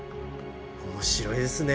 面白いですね